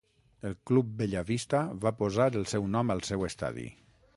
El Club Bella Vista va posar el seu nom al seu estadi.